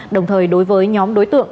đồng thời đối với nhóm đối tượng